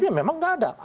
ya memang nggak ada